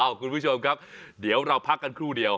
คุณผู้ชมครับเดี๋ยวเราพักกันครู่เดียว